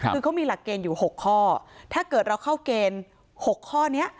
คือเขามีหลักเกณฑ์อยู่๖ข้อถ้าเกิดเราเข้าเกณฑ์๖ข้อนี้